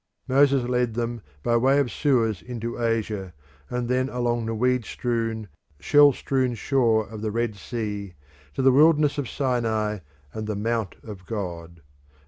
Moses led them by way of Suez into Asia, and then along the weed strewn, shell strewn shore of the Red Sea to the wilderness of Sinai and the Mount of God.